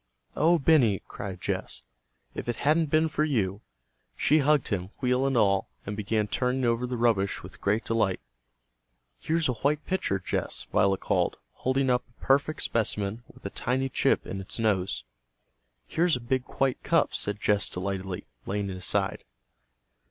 "O Benny!" cried Jess, "if it hadn't been for you!" She hugged him, wheel and all, and began turning over the rubbish with great delight. "Here's a white pitcher, Jess," Violet called, holding up a perfect specimen with a tiny chip in its nose. "Here's a big white cup," said Jess delightedly, laying it aside.